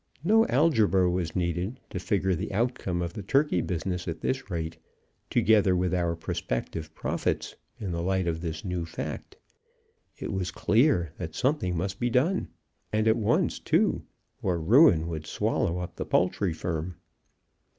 No algebra was needed to figure the outcome of the turkey business at this rate, together with our prospective profits, in the light of this new fact. It was clear that something must be done, and at once, too, or ruin would swallow up the poultry firm.